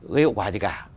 gây hậu quả gì cả